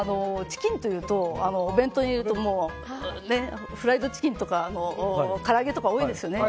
チキンというとお弁当に入れるとフライドチキンとかから揚げとか多いんですよね。